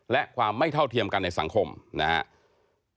และความไม่เท่าเทียมกันในสังคมนะครับ